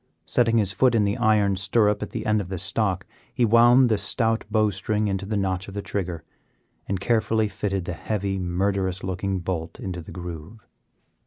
Setting his foot in the iron stirrup at the end of the stock, he wound the stout bow string into the notch of the trigger, and carefully fitted the heavy, murderous looking bolt into the groove.